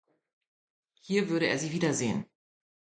Hier würde er sie wiedersehen.